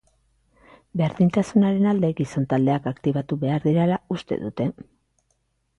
Berdintasunaren alde gizon taldeak aktibatu behar direla uste dute.